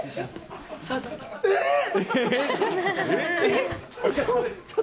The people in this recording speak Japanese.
えっ？